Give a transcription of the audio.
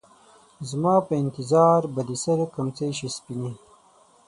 زما په انتظار به دې د سـر کمڅـۍ شي سپينې